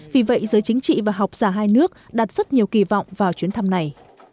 vì vậy giới chính trị và học giả hai nước đặt rất nhiều kỳ vọng vào chuyến thăm này